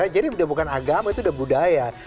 jadi udah bukan agama itu udah budaya